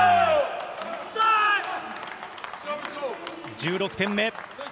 １６点目。